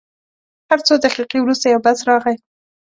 هر څو دقیقې وروسته یو بس راغی.